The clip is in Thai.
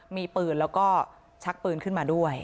มีปืนแล้วก็ชักปืนขึ้นมาด้วย